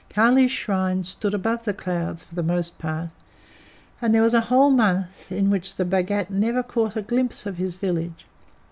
Kali's Shrine stood above the clouds, for the most part, and there was a whole month in which the Bhagat never caught a glimpse of his village.